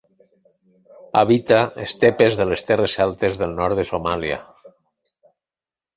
Habita estepes de les terres altes del nord de Somàlia.